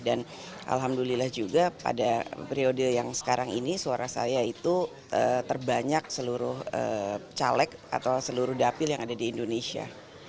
dan alhamdulillah juga pada periode yang sekarang ini suara saya itu terbanyak seluruh caleg atau seluruh dapil yang ada di indonesia